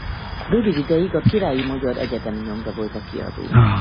Rövid ideig a Királyi Magyar Egyetemi Nyomda volt a kiadó.